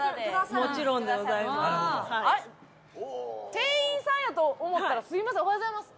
店員さんやと思ったらすみませんおはようございます。